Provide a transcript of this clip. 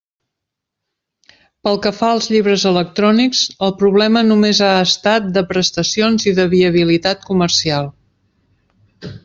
Pel que fa als llibres electrònics el problema només ha estat de prestacions i de viabilitat comercial.